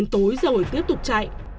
tối rồi tiếp tục chạy